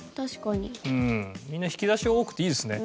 みんな引き出し多くていいですね。